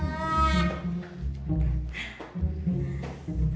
mending kita pulang sekarang aja